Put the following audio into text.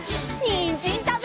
にんじんたべるよ！